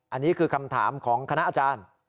อันนี้คือคำถามของคณะอาจารย์